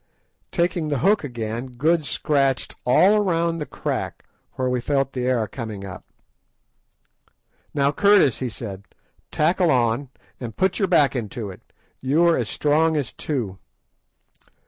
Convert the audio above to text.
Taking the hook again, Good scratched all round the crack where we felt the air coming up. "Now, Curtis," he said, "tackle on, and put your back into it; you are as strong as two.